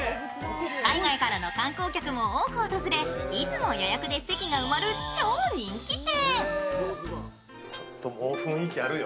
海外からの観光客も多く訪れ、いつも予約で席が埋まる超人気店。